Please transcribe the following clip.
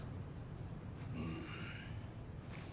うん。